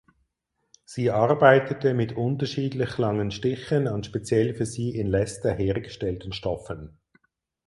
Sie arbeitete mit unterschiedlich langen Stichen an speziell für sie in Leicester hergestellten Stoffen.